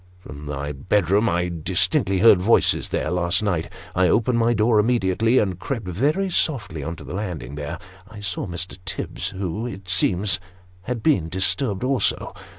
From my bedroom I distinctly heard voices there, last night. I opened my door immediately, and crept very softly on to the landing ; there I saw Mr. Tibbs, who, it seems, had been disturbed also.